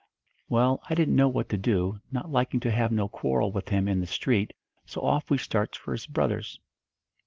"Well, I didn't know what to do, not liking to have no quarrel with him in the street, so off we starts for his brother's.